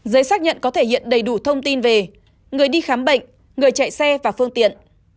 giấy xác nhận có thể hiện đầy đủ thông tin về người đi khám bệnh người chạy xe và phương tiện